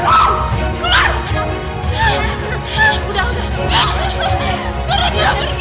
suruh dia pergi